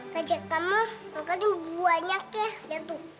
gajah kamu makan tuh buahnya kek